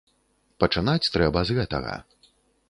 Пачынаць трэба з гэтага.